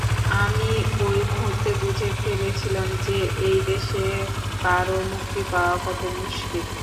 আমি ওই মূহুর্তেই বুঝে ফেলেছিলাম যে, এই দেশে কারো মুক্তি পাওয়া কত মুশকিল।